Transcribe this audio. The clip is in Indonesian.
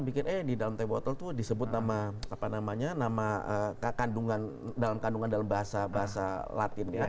bikin eh di dalam teh botol itu disebut nama apa namanya nama dalam kandungan dalam bahasa bahasa latin ya